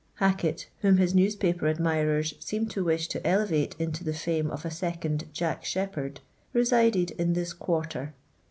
Hackett, whom his newspaper admirers seem to wish to elevate into the fame of a second Jack Sheppard, resided in this quarter.